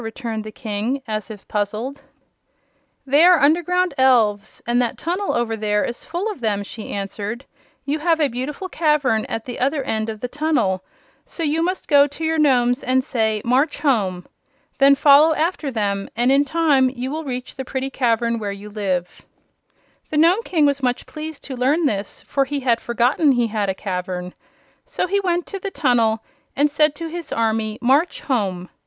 returned the King, as if puzzled. "They are underground elves, and that tunnel over there is full of them," she answered. "You have a beautiful cavern at the other end of the tunnel, so you must go to your Nomes and say: 'March home!' Then follow after them and in time you will reach the pretty cavern where you live." The Nome King was much pleased to learn this, for he had forgotten he had a cavern. So he went to the tunnel and said to his army: 'March home!'